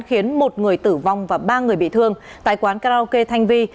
khiến một người tử vong và ba người bị thương tại quán karaoke thanh vi